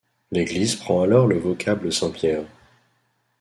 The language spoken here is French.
L'église prend alors le vocable Saint-Pierre.